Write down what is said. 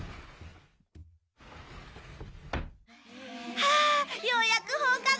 はあようやく放課後！